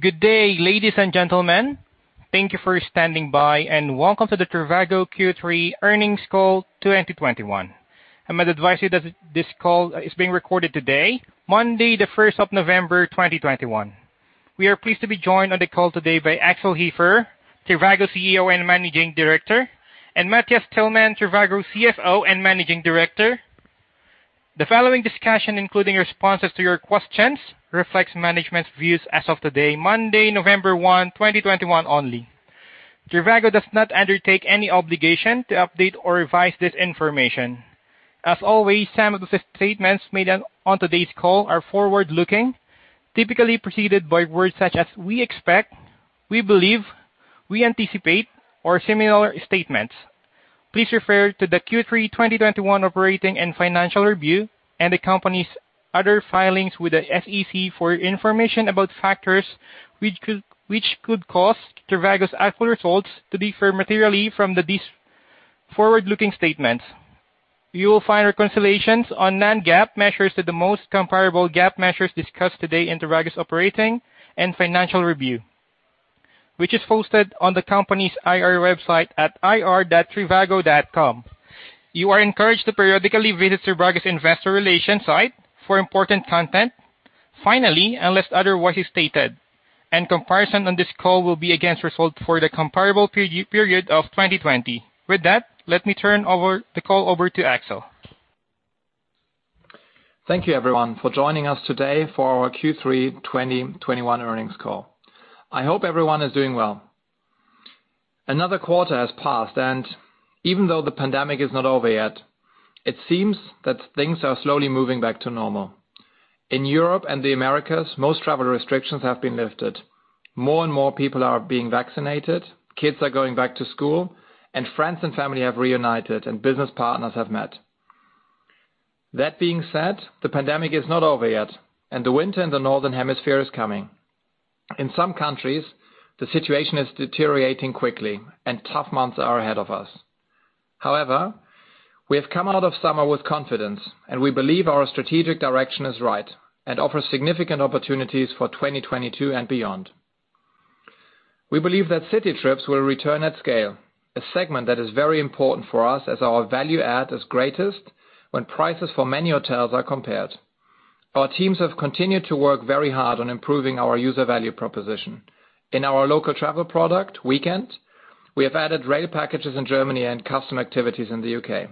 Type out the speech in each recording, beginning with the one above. Good day, ladies and gentlemen. Thank you for standing by, and welcome to the trivago Q3 earnings call 2021. I might advise you that this call is being recorded today, Monday, the first of November, 2021. We are pleased to be joined on the call today by Axel Hefer, trivago CEO and Managing Director, and Matthias Tillmann trivago CFO and Managing Director. The following discussion, including responses to your questions, reflects management's views as of today Monday, November 1, 2021 only. trivago does not undertake any obligation to update or revise this information. As always, some of the statements made on today's call are forward-looking, typically preceded by words such as "we expect," "we believe," "we anticipate," or similar statements. Please refer to the Q3 2021 operating and financial review, and the company's other filings with the SEC for information about factors which could cause trivago's actual results to differ materially from these forward-looking statements. You will find reconciliations of non-GAAP measures to the most comparable GAAP measures discussed today in trivago's operating and financial review, which is hosted on the company's IR website at ir.trivago.com. You are encouraged to periodically visit trivago's investor relations site for important content. Finally, unless otherwise stated, any comparison on this call will be against results for the comparable period of 2020. With that, let me turn the call over to Axel. Thank you, everyone, for joining us today for our Q3 2021 earnings call. I hope everyone is doing well. Another quarter has passed, and even though the pandemic is not over yet, it seems that things are slowly moving back to normal. In Europe and the Americas, most travel restrictions have been lifted. More and more people are being vaccinated, kids are going back to school, and friends and family have reunited and business partners have met. That being said, the pandemic is not over yet, and the winter in the northern hemisphere is coming. In some countries, the situation is deteriorating quickly and tough months are ahead of us. However, we have come out of summer with confidence, and we believe our strategic direction is right and offers significant opportunities for 2022 and beyond. We believe that city trips will return at scale, a segment that is very important for us as our value add is greatest when prices for many hotels are compared. Our teams have continued to work very hard on improving our user value proposition. In our local travel product, Weekend, we have added rail packages in Germany and custom activities in the U.K.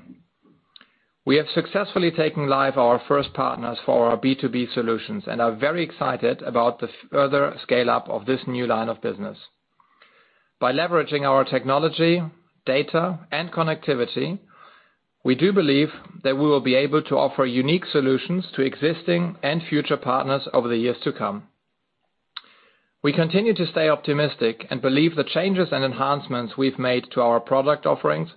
We have successfully taken live our first partners for our B2B solutions and are very excited about the further scale-up of this new line of business. By leveraging our technology, data and connectivity, we do believe that we will be able to offer unique solutions to existing and future partners over the years to come. We continue to stay optimistic and believe the changes and enhancements we've made to our product offerings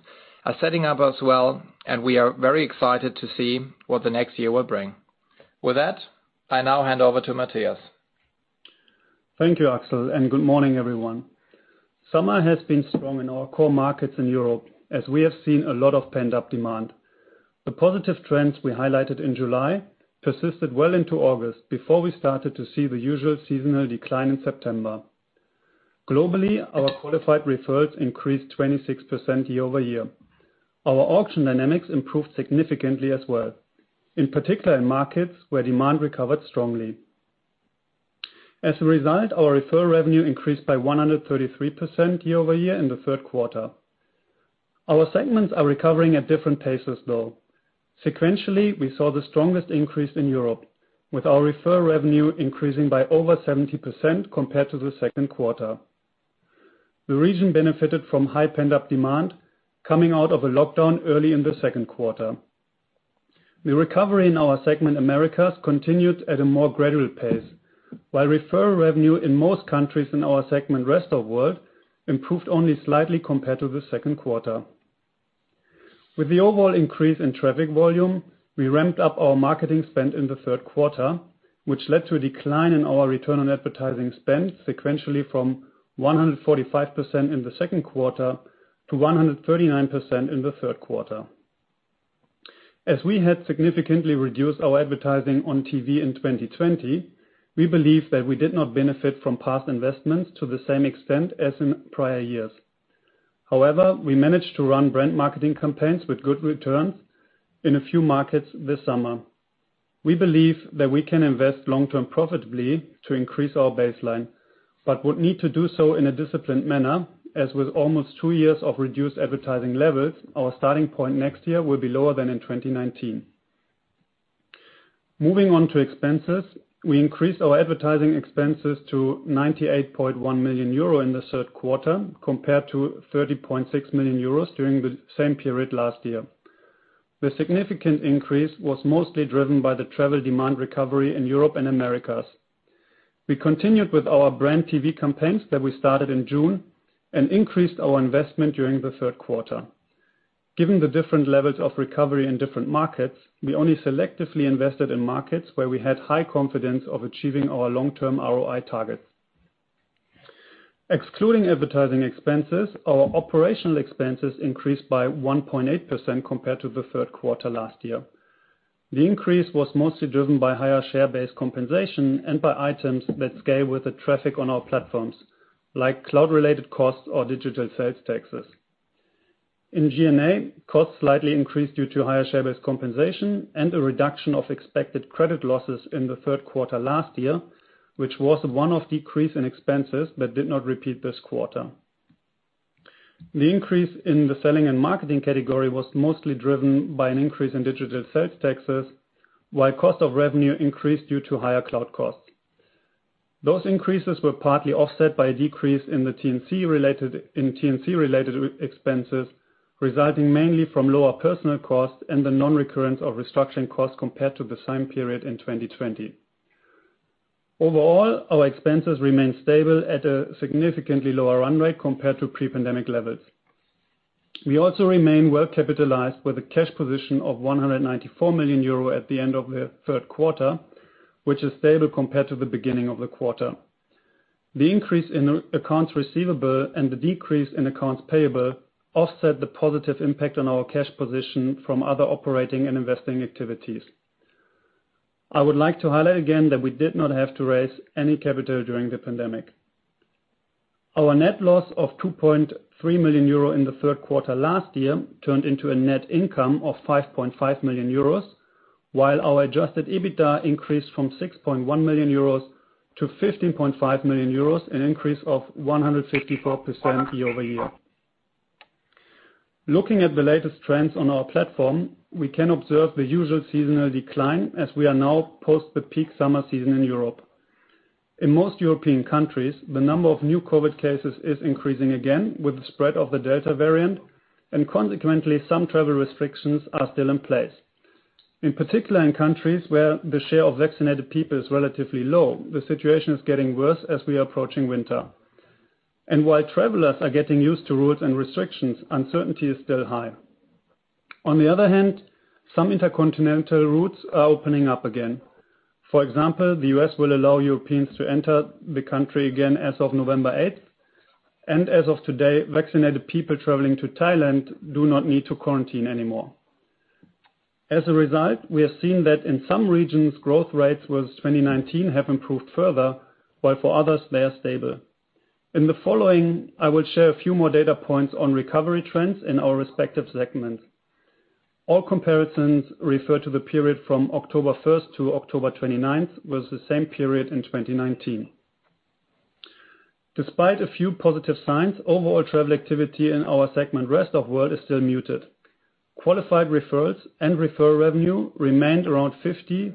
are setting up as well, and we are very excited to see what the next year will bring. With that, I now hand over to Matthias. Thank you, Axel, and good morning, everyone. Summer has been strong in our core markets in Europe, as we have seen a lot of pent-up demand. The positive trends we highlighted in July persisted well into August before we started to see the usual seasonal decline in September. Globally, our qualified referrals increased 26% year-over-year. Our auction dynamics improved significantly as well, in particular in markets where demand recovered strongly. As a result, our referral revenue increased by 133% year-over-year in the Q3. Our segments are recovering at different paces, though. Sequentially, we saw the strongest increase in Europe, with our referral revenue increasing by over 70% compared to the Q2. The region benefited from high pent-up demand coming out of a lockdown early in the Q2. The recovery in our segment Americas continued at a more gradual pace, while referral revenue in most countries in our segment Rest of World improved only slightly compared to the Q2. With the overall increase in traffic volume, we ramped up our marketing spend in the Q3, which led to a decline in our return on advertising spend sequentially from 145% in the Q2 to 139% in the Q3. As we had significantly reduced our advertising on TV in 2020, we believe that we did not benefit from past investments to the same extent as in prior years. However, we managed to run brand marketing campaigns with good returns in a few markets this summer. We believe that we can invest long-term profitably to increase our baseline but would need to do so in a disciplined manner. As with almost two years of reduced advertising levels, our starting point next year will be lower than in 2019. Moving on to expenses. We increased our advertising expenses to 98.1 million euro in the Q3 compared to 30.6 million euros during the same period last year. The significant increase was mostly driven by the travel demand recovery in Europe and Americas. We continued with our brand TV campaigns that we started in June and increased our investment during the Q3. Given the different levels of recovery in different markets, we only selectively invested in markets where we had high confidence of achieving our long-term ROI targets. Excluding advertising expenses, our operational expenses increased by 1.8% compared to the Q3 last year. The increase was mostly driven by higher share-based compensation and by items that scale with the traffic on our platforms, like cloud-related costs or digital sales taxes. In G&A, costs slightly increased due to higher share-based compensation and a reduction of expected credit losses in the Q3 last year, which was a one-off decrease in expenses but did not repeat this quarter. The increase in the selling and marketing category was mostly driven by an increase in digital sales taxes, while cost of revenue increased due to higher cloud costs. Those increases were partly offset by a decrease in T&C-related expenses, resulting mainly from lower personnel costs and the non-recurrence of restructuring costs compared to the same period in 2020. Overall, our expenses remain stable at a significantly lower run rate compared to pre-pandemic levels. We also remain well-capitalized with a cash position of 194 million euro at the end of the Q3, which is stable compared to the beginning of the quarter. The increase in accounts receivable and the decrease in accounts payable offset the positive impact on our cash position from other operating and investing activities. I would like to highlight again that we did not have to raise any capital during the pandemic. Our net loss of 2.3 million euro in the Q3 last year turned into a net income of 5.5 million euros, while our adjusted EBITDA increased from 6.1 million euros to 15.5 million euros, an increase of 154% year-over-year. Looking at the latest trends on our platform, we can observe the usual seasonal decline as we are now post the peak summer season in Europe. In most European countries, the number of new COVID cases is increasing again with the spread of the Delta variant, and consequently, some travel restrictions are still in place. In particular, in countries where the share of vaccinated people is relatively low, the situation is getting worse as we are approaching winter. While travelers are getting used to rules and restrictions, uncertainty is still high. On the other hand, some intercontinental routes are opening up again. For example, the U.S. will allow Europeans to enter the country again as of November eighth. As of today, vaccinated people traveling to Thailand do not need to quarantine anymore. As a result, we have seen that in some regions, growth rates with 2019 have improved further, while for others, they are stable. In the following, I will share a few more data points on recovery trends in our respective segments. All comparisons refer to the period from October 1 to October 29, with the same period in 2019. Despite a few positive signs, overall travel activity in our segment, Rest of World, is still muted. Qualified referrals and referral revenue remained around 50%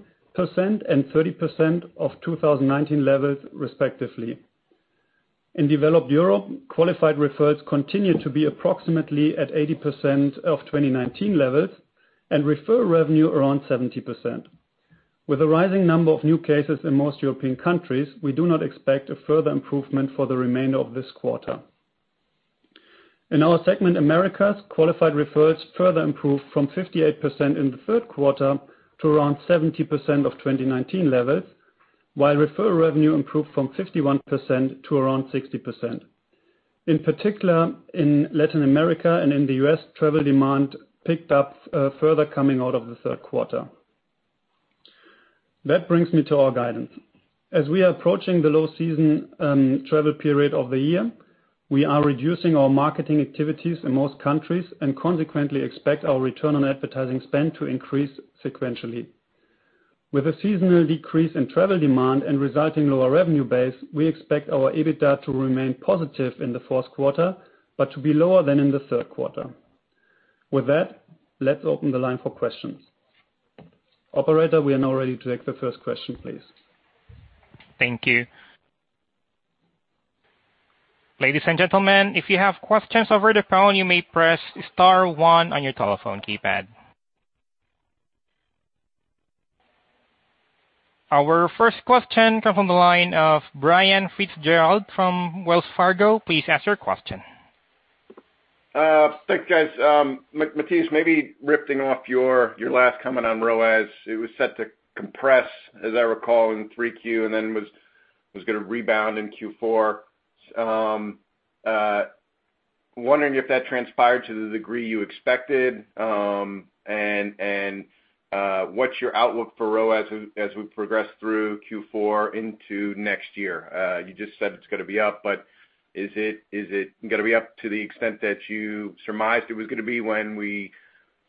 and 30% of 2019 levels, respectively. In Developed Europe, qualified referrals continue to be approximately at 80% of 2019 levels and referral revenue around 70%. With a rising number of new cases in most European countries, we do not expect a further improvement for the remainder of this quarter. In our segment, Americas, qualified referrals further improved from 58% in the Q3 to around 70% of 2019 levels, while referral revenue improved from 51% to around 60%. In particular, in Latin America and in the U.S., travel demand picked up further coming out of the Q3. That brings me to our guidance. As we are approaching the low season, travel period of the year, we are reducing our marketing activities in most countries and consequently expect our return on advertising spend to increase sequentially. With a seasonal decrease in travel demand and resulting lower revenue base, we expect our EBITDA to remain positive in the fourth quarter but to be lower than in the Q3. With that, let's open the line for questions. Operator, we are now ready to take the first question, please. Thank you. Ladies and gentlemen, if you have questions over the phone, you may press star one on your telephone keypad. Our first question comes on the line of Brian Fitzgerald from Wells Fargo. Please ask your question. Thanks, guys. Matthias, maybe riffing off your last comment on ROAS. It was set to compress, as I recall, in Q3 and then was gonna rebound in Q4. Wondering if that transpired to the degree you expected, and what's your outlook for ROAS as we progress through Q4 into next year? You just said it's gonna be up, but is it gonna be up to the extent that you surmised it was gonna be when we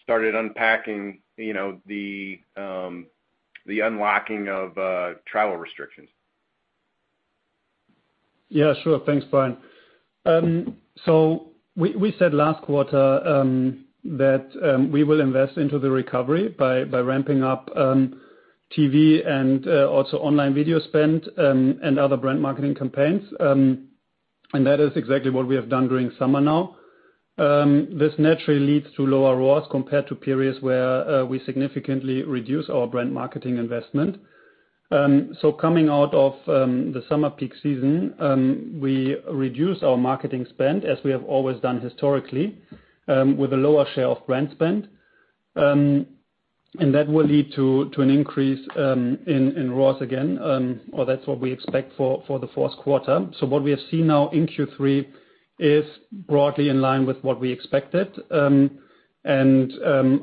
started unpacking, you know, the unlocking of travel restrictions? Yeah, sure. Thanks, Brian. We said last quarter that we will invest into the recovery by ramping up TV and also online video spend and other brand marketing campaigns. This is exactly what we have done during summer now. This naturally leads to lower ROAS compared to periods where we significantly reduce our brand marketing investment. Coming out of the summer peak season, we reduce our marketing spend as we have always done historically with a lower share of brand spend. That will lead to an increase in ROAS again, or that's what we expect for the fourth quarter. What we have seen now in Q3 is broadly in line with what we expected.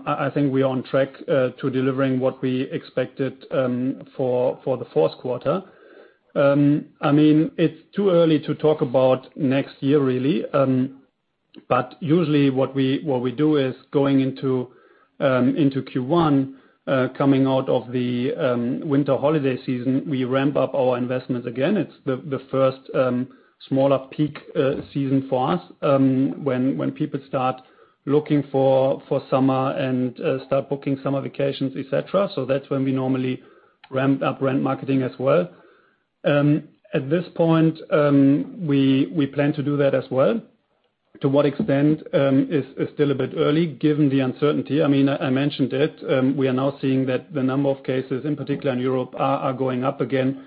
I think we're on track to delivering what we expected for the fourth quarter. I mean, it's too early to talk about next year really, but usually what we do is going into Q1, coming out of the winter holiday season, we ramp up our investments again. It's the first smaller peak season for us, when people start looking for summer and start booking summer vacations, et cetera. That's when we normally ramp up brand marketing as well. At this point, we plan to do that as well. To what extent is still a bit early given the uncertainty. I mean, I mentioned it, we are now seeing that the number of cases in particular in Europe are going up again.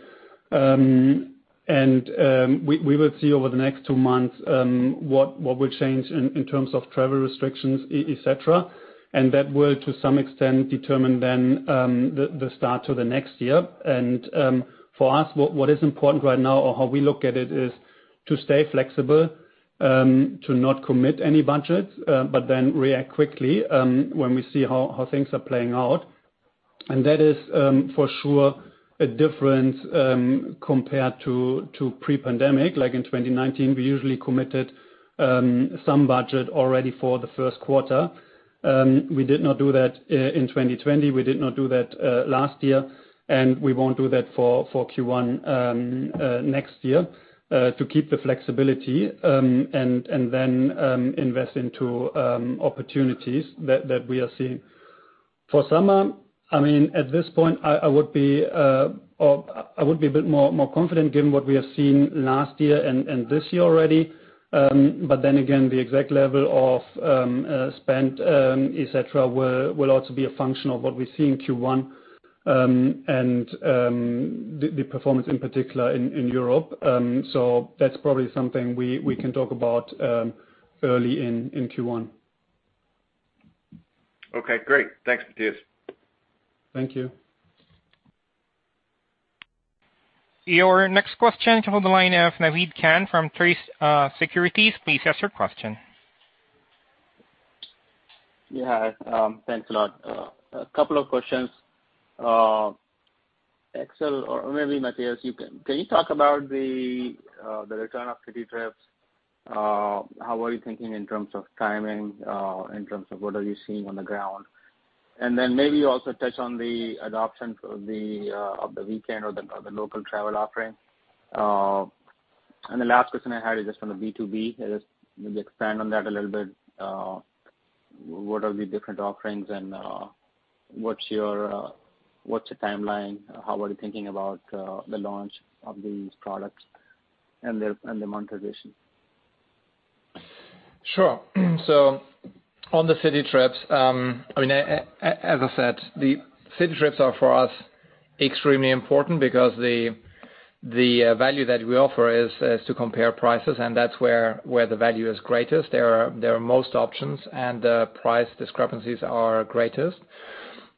We will see over the next two months what will change in terms of travel restrictions et cetera. That will, to some extent, determine then the start to the next year. For us, what is important right now or how we look at it is to stay flexible, to not commit any budget, but then react quickly, when we see how things are playing out. That is for sure a different compared to pre-pandemic, like in 2019, we usually committed some budget already for the first quarter. We did not do that in 2020. We did not do that last year, and we won't do that for Q1 next year to keep the flexibility, and then invest into opportunities that we are seeing. For summer, I mean, at this point, I would be a bit more confident given what we have seen last year and this year already. But then again, the exact level of spend et cetera will also be a function of what we see in Q1, and the performance in particular in Europe. That's probably something we can talk about early in Q1. Okay, great. Thanks, Matthias. Thank you. Your next question comes on the line of Naved Khan from Truist Securities. Please ask your question. Yeah. Thanks a lot. A couple of questions. Axel or maybe Matthias, can you talk about the return of city trips? How are you thinking in terms of timing, in terms of what are you seeing on the ground? Maybe you also touch on the adoption of the weekend or the local travel offering. The last question I had is just on the B2B. Just maybe expand on that a little bit. What are the different offerings and what's your timeline? How are you thinking about the launch of these products and the monetization? Sure. On the city trips, I mean, as I said, the city trips are for us extremely important because the value that we offer is to compare prices, and that's where the value is greatest. There are most options and the price discrepancies are greatest.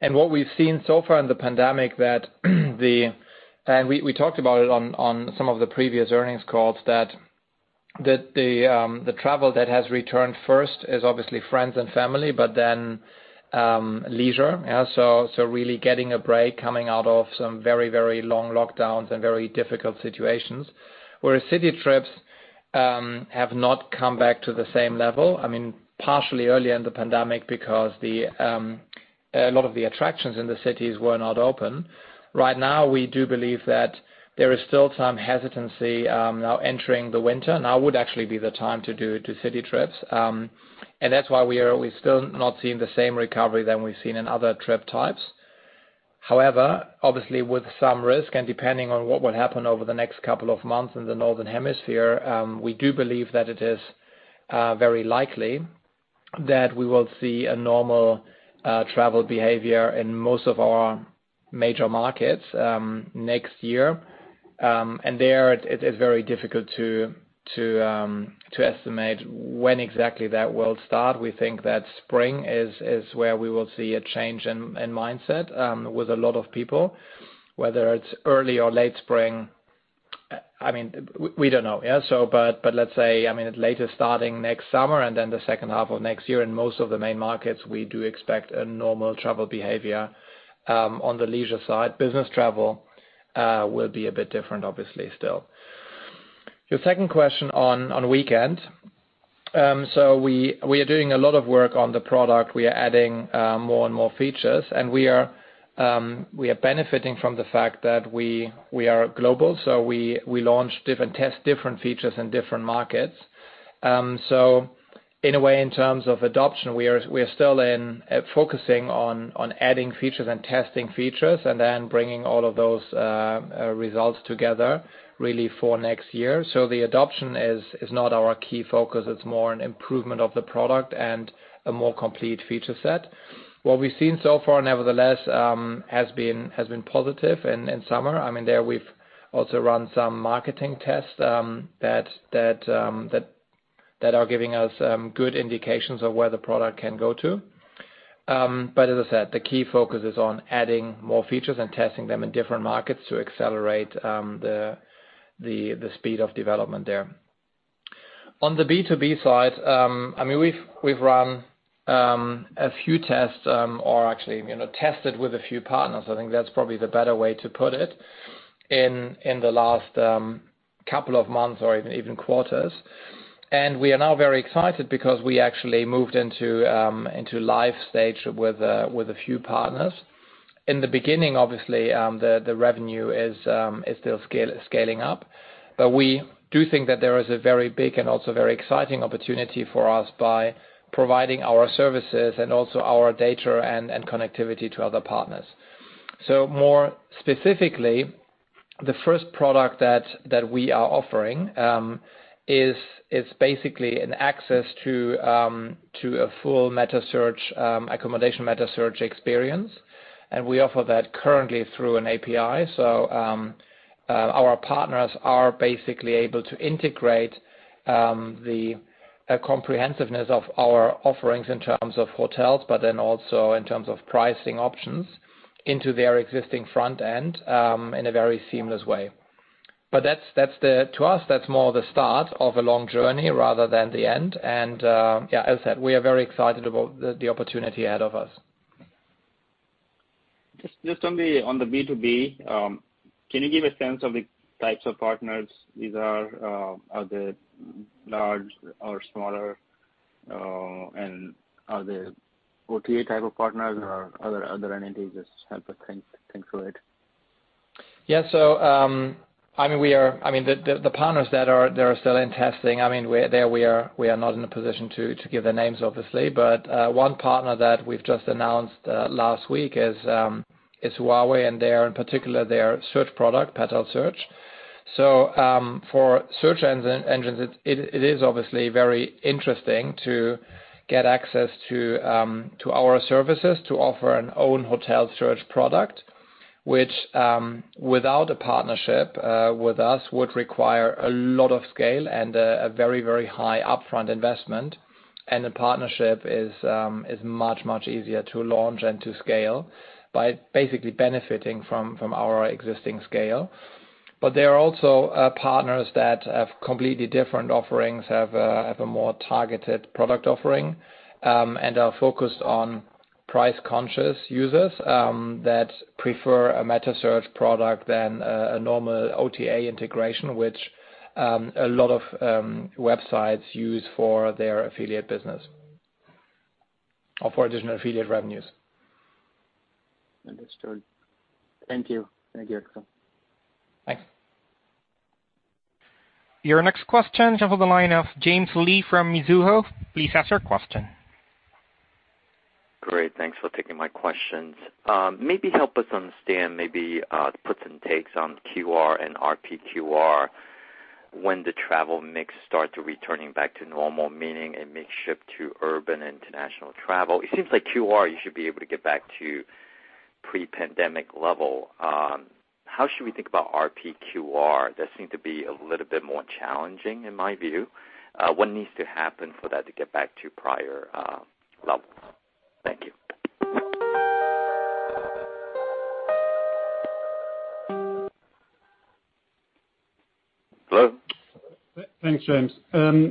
What we've seen so far in the pandemic and we talked about it on some of the previous earnings calls that the travel that has returned first is obviously friends and family, but then leisure really getting a break coming out of some very long lockdowns and very difficult situations. Whereas city trips have not come back to the same level, I mean, partially early in the pandemic because a lot of the attractions in the cities were not open. Right now, we do believe that there is still some hesitancy, now entering the winter. Now would actually be the time to do city trips. That's why we're still not seeing the same recovery than we've seen in other trip types. However, obviously with some risk and depending on what will happen over the next couple of months in the northern hemisphere, we do believe that it is very likely that we will see a normal travel behavior in most of our major markets next year. There it is very difficult to estimate when exactly that will start. We think that spring is where we will see a change in mindset with a lot of people, whether it's early or late spring, I mean, we don't know. Yeah, but let's say, I mean, later starting next summer and then the H2 of next year in most of the main markets, we do expect a normal travel behavior on the leisure side. Business travel will be a bit different, obviously, still. Your second question on Weekend. We are doing a lot of work on the product. We are adding more and more features, and we are benefiting from the fact that we are global. We launch different tests, different features in different markets. In a way, in terms of adoption, we are still focusing on adding features and testing features and then bringing all of those results together really for next year. The adoption is not our key focus. It's more an improvement of the product and a more complete feature set. What we've seen so far, nevertheless, has been positive in summer. I mean, there we've also run some marketing tests that are giving us good indications of where the product can go to. As I said, the key focus is on adding more features and testing them in different markets to accelerate the speed of development there. On the B2B side, I mean, we've run a few tests or actually, you know, tested with a few partners, I think that's probably the better way to put it, in the last couple of months or even quarters. We are now very excited because we actually moved into live stage with a few partners. In the beginning, obviously, the revenue is still scaling up. We do think that there is a very big and also very exciting opportunity for us by providing our services and also our data and connectivity to other partners. More specifically, the first product that we are offering is basically an access to a full meta search accommodation meta search experience, and we offer that currently through an API. Our partners are basically able to integrate the comprehensiveness of our offerings in terms of hotels, but then also in terms of pricing options into their existing front end in a very seamless way. To us, that's more the start of a long journey rather than the end. Yeah, as I said, we are very excited about the opportunity ahead of us. On the B2B, can you give a sense of the types of partners these are? Are they large or smaller? And are they OTA type of partners or other entities? Just help us think through it. Yeah, I mean, we are—I mean the partners that are still in testing, I mean, we are not in a position to give their names obviously. One partner that we've just announced last week is Huawei and, in particular, their search product, Petal Search. For search engines, it is obviously very interesting to get access to our services to offer their own hotel search product, which without a partnership with us would require a lot of scale and a very high upfront investment. The partnership is much easier to launch and to scale by basically benefiting from our existing scale. There are also partners that have completely different offerings and have a more targeted product offering, and are focused on price-conscious users that prefer a meta search product to a normal OTA integration, which a lot of websites use for their affiliate business, or for additional affiliate revenues. Understood. Thank you. Thank you, Axel. Thanks. Your next question comes on the line of James Lee from Mizuho. Please ask your question. Great. Thanks for taking my questions. Maybe help us understand, maybe, the puts and takes on QR and RPQR when the travel mix starts returning back to normal, meaning a mix shift to urban international travel. It seems like QR, you should be able to get back to pre-pandemic level. How should we think about RPQR? That seem to be a little bit more challenging in my view. What needs to happen for that to get back to prior, levels? Thank you. Hello? Thanks, James.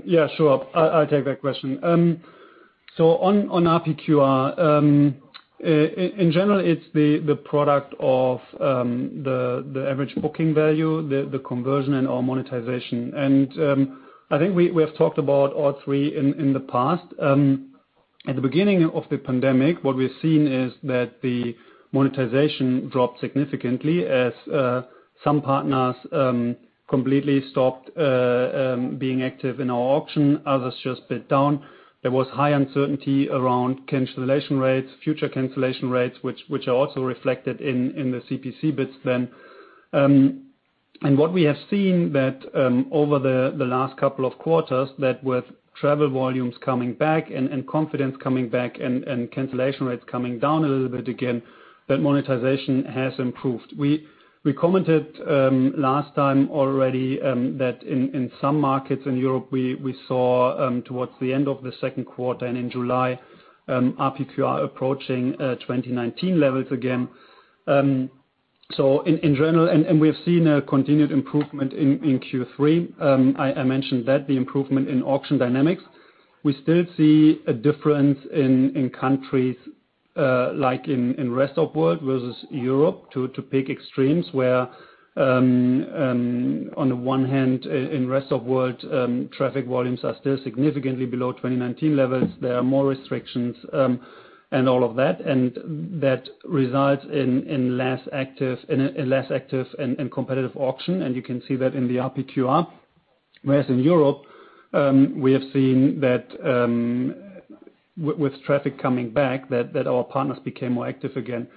Yeah, sure. I'll take that question. So on RPQR, in general, it's the product of the average booking value, the conversion and our monetization. I think we have talked about all three in the past. At the beginning of the pandemic, what we've seen is that the monetization dropped significantly as some partners completely stopped being active in our auction. Others just bid down. There was high uncertainty around cancellation rates, future cancellation rates, which are also reflected in the CPC bids then. What we have seen that over the last couple of quarters that with travel volumes coming back and confidence coming back and cancellation rates coming down a little bit again, that monetization has improved. We commented last time already that in some markets in Europe, we saw towards the end of the Q2 and in July, RPQR approaching 2019 levels again. So in general, we have seen a continued improvement in Q3. I mentioned that the improvement in auction dynamics. We still see a difference in countries like in Rest of World versus Europe to pick extremes where on the one hand in Rest of World, traffic volumes are still significantly below 2019 levels. There are more restrictions and all of that, and that results in less active and competitive auction, and you can see that in the RPQR. Whereas in Europe, we have seen that with traffic coming back, that our partners became more active again.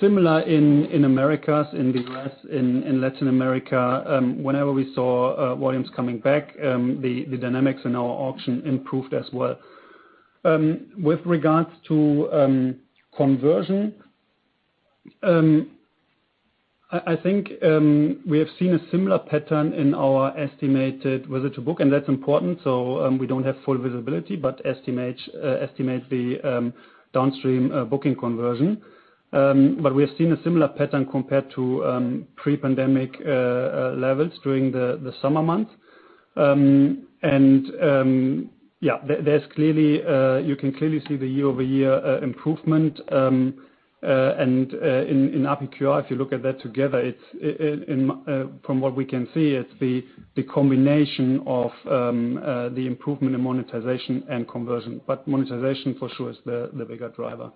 Similar in Americas, in the U.S., in Latin America, whenever we saw volumes coming back, the dynamics in our auction improved as well. With regards to conversion, I think we have seen a similar pattern in our estimated visit-to-book, and that's important. We don't have full visibility but estimate the downstream booking conversion. We have seen a similar pattern compared to pre-pandemic levels during the summer months. Yeah, you can clearly see the year-over-year improvement in RPQR. If you look at that together, from what we can see, it's the combination of the improvement in monetization and conversion. Monetization for sure is the bigger driver.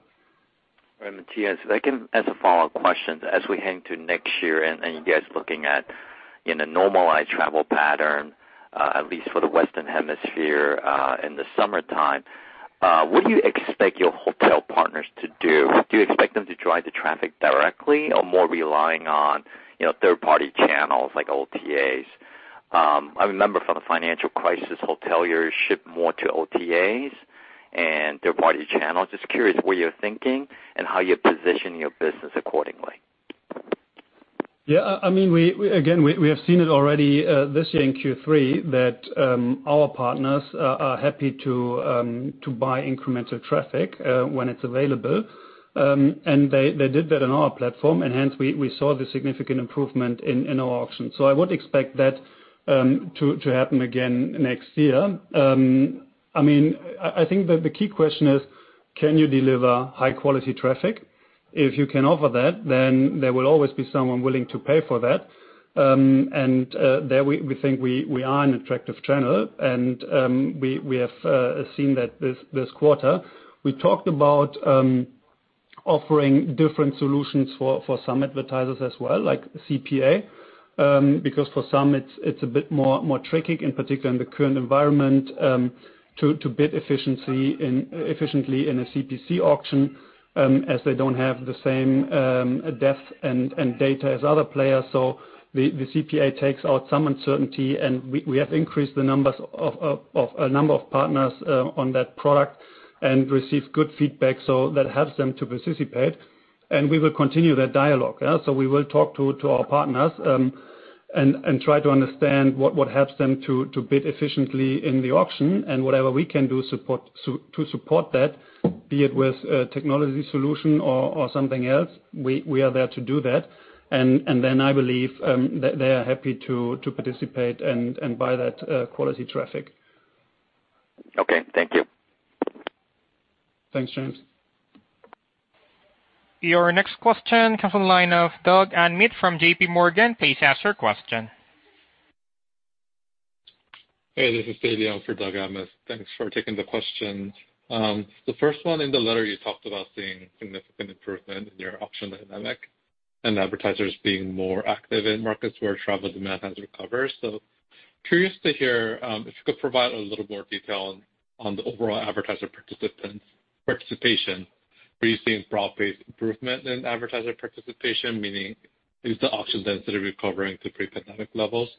All right, Matthias, if I can ask a follow-up question. As we head into next year and you guys looking at in a normalized travel pattern, at least for the Western Hemisphere, in the summertime, what do you expect your hotel partners to do? Do you expect them to drive the traffic directly or more relying on, you know, third-party channels like OTAs? I remember from the financial crisis, hoteliers shipped more to OTAs and third-party channels. Just curious where you're thinking and how you're positioning your business accordingly. I mean, again, we have seen it already this year in Q3 that our partners are happy to buy incremental traffic when it's available. They did that on our platform, and hence we saw the significant improvement in our auction. I would expect that to happen again next year. I mean, I think that the key question is, can you deliver high-quality traffic? If you can offer that, then there will always be someone willing to pay for that. There we think we are an attractive channel and we have seen that this quarter. We talked about offering different solutions for some advertisers as well, like CPA, because for some it's a bit more tricky, in particular in the current environment, to bid efficiently in a CPC auction, as they don't have the same depth and data as other players. So the CPA takes out some uncertainty, and we have increased the number of partners on that product and received good feedback. So that helps them to participate, and we will continue that dialogue. Yeah? We will talk to our partners and try to understand what helps them to bid efficiently in the auction and whatever we can do to support that, be it with a technology solution or something else, we are there to do that. Then I believe they are happy to participate and buy that quality traffic. Okay. Thank you. Thanks, James. Your next question comes on the line of Doug Anmuth from J.P. Morgan. Please ask your question. Hey, this is Dae Lee for Doug Anmuth. Thanks for taking the question. The first one, in the letter you talked about seeing significant improvement in your auction dynamic and advertisers being more active in markets where travel demand has recovered. Curious to hear if you could provide a little more detail on the overall advertiser participation. Are you seeing broad-based improvement in advertiser participation, meaning is the auction density recovering to pre-pandemic levels?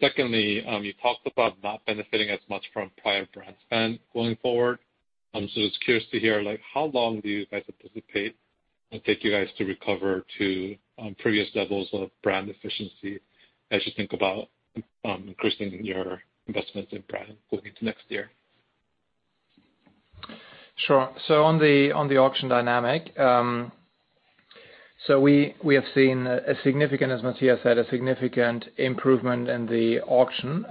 Secondly, you talked about not benefiting as much from prior brand spend going forward. Just curious to hear, like how long do you guys anticipate it'll take you guys to recover to previous levels of brand efficiency as you think about increasing your investments in brand going into next year? Sure. On the auction dynamic, we have seen a significant, as Matthias said, a significant improvement in the auction,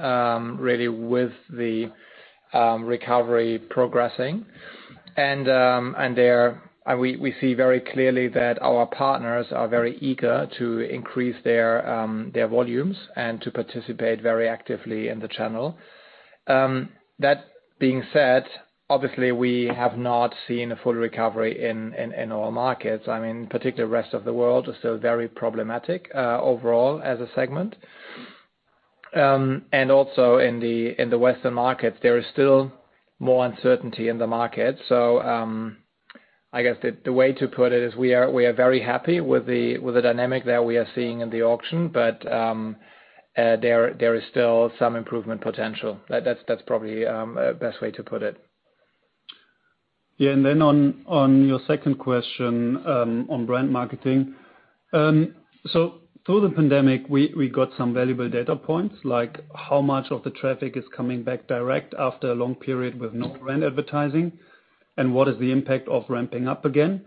really with the recovery progressing. We see very clearly that our partners are very eager to increase their volumes and to participate very actively in the channel. That being said, obviously we have not seen a full recovery in all markets. I mean, particularly Rest of World is still very problematic overall as a segment. Also in the Western markets, there is still more uncertainty in the market. I guess the way to put it is we are very happy with the dynamic that we are seeing in the auction, but there is still some improvement potential. That's probably best way to put it. Yeah. Then on your second question, on brand marketing. So through the pandemic, we got some valuable data points, like how much of the traffic is coming back direct after a long period with no brand advertising, and what is the impact of ramping up again.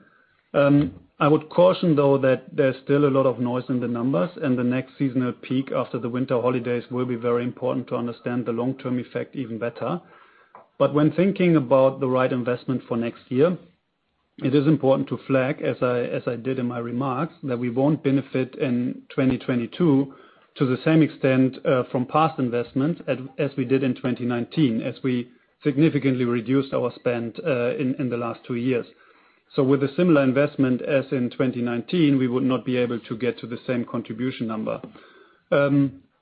I would caution though that there's still a lot of noise in the numbers, and the next seasonal peak after the winter holidays will be very important to understand the long-term effect even better. When thinking about the right investment for next year, it is important to flag, as I did in my remarks, that we won't benefit in 2022 to the same extent, from past investments as we did in 2019, as we significantly reduced our spend, in the last two years. With a similar investment as in 2019, we would not be able to get to the same contribution number.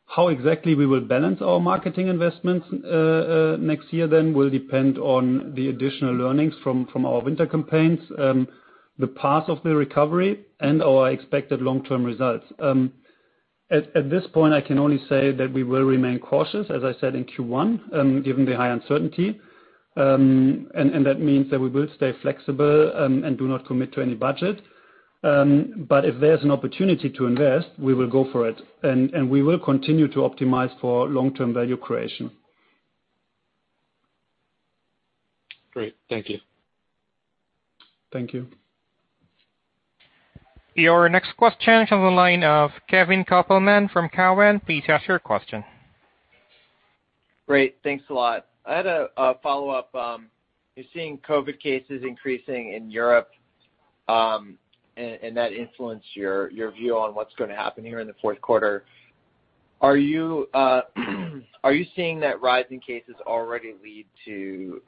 How exactly we will balance our marketing investments next year then will depend on the additional learnings from our winter campaigns, the path of the recovery, and our expected long-term results. At this point, I can only say that we will remain cautious, as I said in Q1, given the high uncertainty. That means that we will stay flexible and do not commit to any budget. But if there's an opportunity to invest, we will go for it. We will continue to optimize for long-term value creation. Great. Thank you. Thank you. Your next question comes from the line of Kevin Kopelman from Cowen. Please ask your question. Great. Thanks a lot. I had a follow-up. You're seeing COVID cases increasing in Europe, and that influence your view on what's gonna happen here in the fourth quarter. Are you seeing that rise in cases already lead to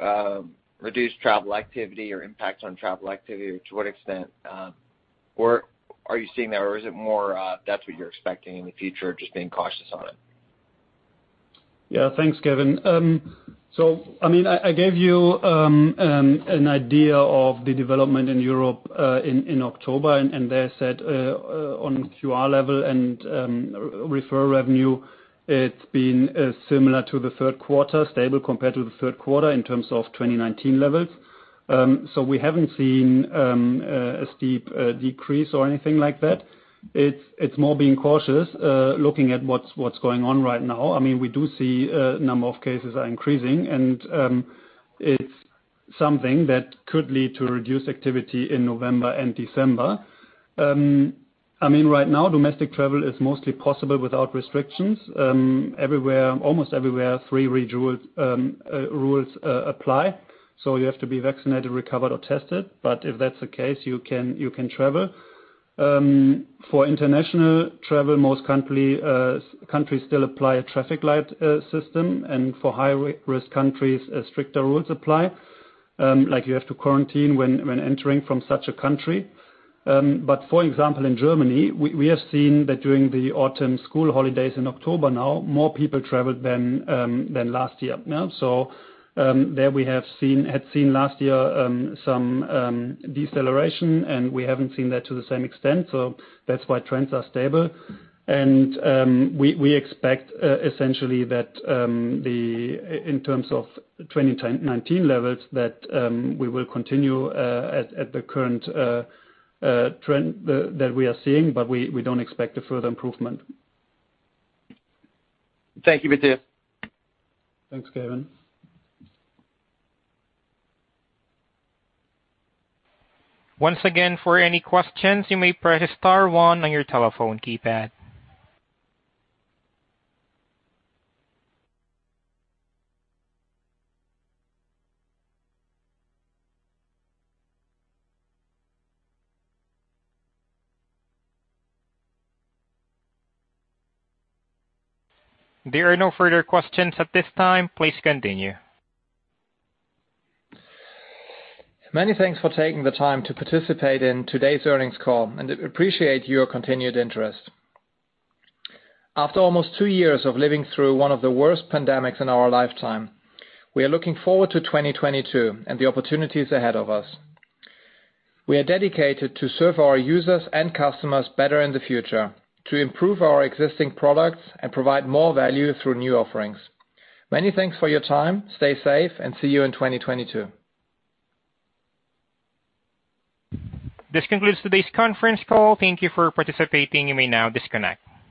reduced travel activity or impact on travel activity? To what extent, or are you seeing that, or is it more that's what you're expecting in the future, just being cautious on it? Yeah. Thanks, Kevin. I mean, I gave you an idea of the development in Europe in October, and I said on query level and referral revenue, it's been similar to the Q3, stable compared to the Q3 in terms of 2019 levels. We haven't seen a steep decrease or anything like that. It's more being cautious looking at what's going on right now. I mean, we do see a number of cases are increasing and it's something that could lead to reduced activity in November and December. I mean, right now domestic travel is mostly possible without restrictions. Everywhere, almost everywhere, 3G rules apply. You have to be vaccinated, recovered, or tested. If that's the case, you can travel. For international travel, most countries still apply a traffic light system, and for high-risk countries, stricter rules apply. Like you have to quarantine when entering from such a country. For example, in Germany, we have seen that during the autumn school holidays in October now, more people traveled than last year now. There we had seen last year some deceleration, and we haven't seen that to the same extent. That's why trends are stable. We expect essentially that in terms of 2019 levels, that we will continue at the current trend that we are seeing, but we don't expect a further improvement. Thank you, Matthias. Thanks, Kevin. Once again, for any questions, you may press star one on your telephone keypad. There are no further questions at this time. Please continue. Many thanks for taking the time to participate in today's earnings call and appreciate your continued interest. After almost two years of living through one of the worst pandemics in our lifetime, we are looking forward to 2022 and the opportunities ahead of us. We are dedicated to serve our users and customers better in the future, to improve our existing products and provide more value through new offerings. Many thanks for your time. Stay safe and see you in 2022. This concludes today's conference call. Thank you for participating. You may now disconnect.